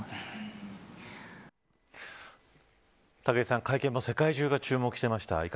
武井さん会見世界中が注目していました。